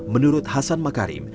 menurut hasan makarim